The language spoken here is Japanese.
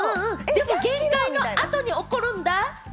でも限界の後に起こるんだ。